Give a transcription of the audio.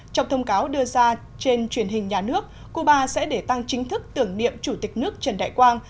trong thông cáo đưa ra trên truyền hình nhà nước cuba sẽ để tăng chính thức tưởng niệm chủ tịch nước trần đại quang